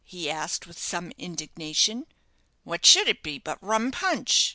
he asked, with some indignation. "What should it be but rum punch?"